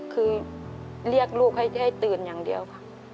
คือเรียกลูกให้ตื่นอย่างเดียวค่ะ